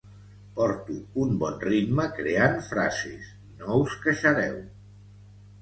Porto un bon ritme creant frases no us queixareu